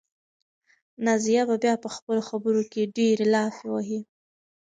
نازیه به بیا په خپلو خبرو کې ډېرې لافې وهي.